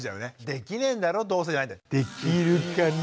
「できねえんだろどうせ」じゃなくて「できるかな？」